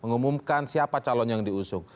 mengumumkan siapa calon yang diusung